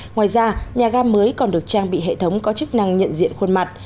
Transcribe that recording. ngoài ra nhà ga mới còn được trang bị hệ thống có chức năng nhận diện khuôn mặt